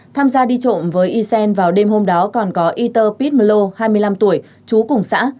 tham gia đi trộm với ysen vào đêm hôm đó còn có yter pit melo hai mươi năm tuổi chú cùng xã